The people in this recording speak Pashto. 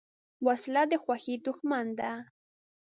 وسله د خوښۍ دښمن ده